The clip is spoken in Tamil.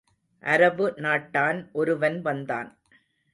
அரபு நாட்டான் ஒருவன் வந்தான்.